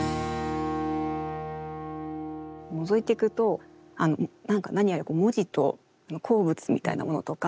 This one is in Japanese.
のぞいていくと何か何やら文字と鉱物みたいなものとか。